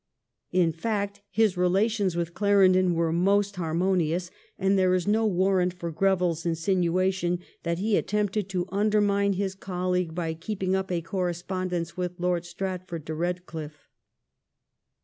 In fact bis relations with Clarendon were most harmonious, and there is no warrant for Oreville's insinuation that he attempted to undermine his colleagues by keeping up a correspon dence with Lord Stratford de Bedcliffe.